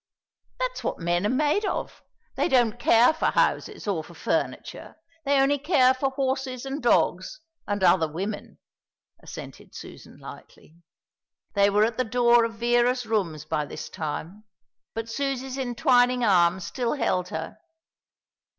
"That's what men are made of. They don't care for houses or for furniture. They only care for horses and dogs, and other women," assented Susan lightly. They were at the door of Vera's rooms by this time, but Susie's entwining arms still held her.